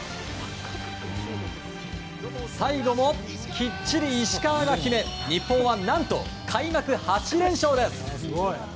最後も、きっちり石川が決め日本は何と開幕８連勝です！